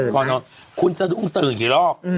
พอนอนคุณจะตื่นที่รอบ